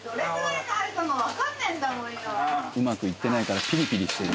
だってうまくいってないからピリピリしてる。